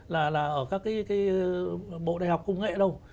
là ở các cái bộ đại học công nghệ đâu